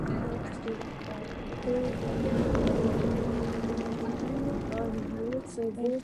Particularly popular were the numerous Bandurist Capellas.